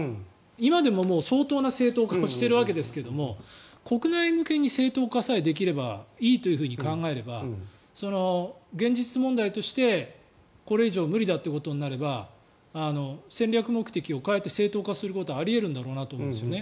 今でも、もう相当な正当化をしているわけですが国内向けに正当化さえできればいいというふうに考えれば現実問題として、これ以上無理だということになれば戦略目的を変えて正当化することはあり得るんだろうなと思うんですね。